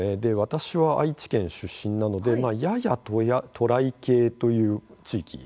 私は愛知県出身なのでやや渡来系という地域になります。